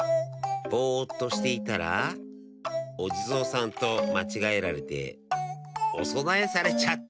ぼっとしていたらおじぞうさんとまちがえられておそなえされちゃった。